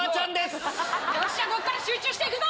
よっしゃここから集中して行くぞ！